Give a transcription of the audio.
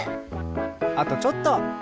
あとちょっと！